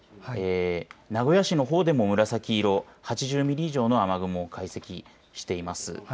名古屋市のほうでも紫色８０ミリ以上の雨雲、解析しています。